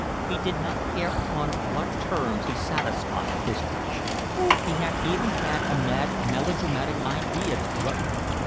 He did not care upon what terms he satisfied his passion. He had even had a mad, melodramatic idea to drug her.